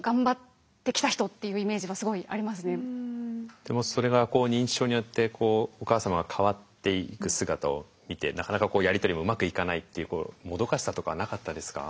だからでもそれが認知症によってこうお母様が変わっていく姿を見てなかなかやり取りもうまくいかないっていうもどかしさとかはなかったですか？